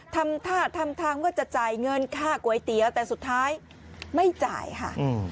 ทำท่าทำทางว่าจะจ่ายเงินค่าก๋วยเตี๋ยวแต่สุดท้ายไม่จ่ายค่ะ